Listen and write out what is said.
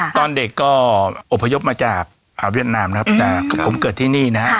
ตอนเด็กก็อบพยพมาจากเวียดนามนะครับแต่ผมเกิดที่นี่นะครับ